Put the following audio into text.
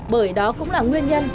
bởi đó cũng là nguyên nhân